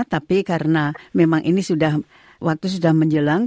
tapi karena memang ini sudah waktu sudah menjelang